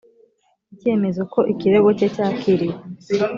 icyemezo ko ikirego cye cyakiriwe